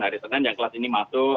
hari senin yang kelas ini masuk